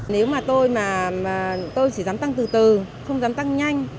nếu mà tôi mà tôi chỉ dám tăng từ từ không dám tăng nhanh